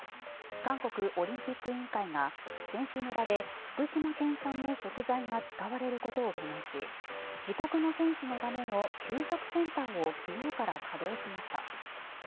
韓国オリンピック委員会が選手村で福島県産の食材が使われることを懸念し自国の選手のための給食センターを昨日から稼働しました。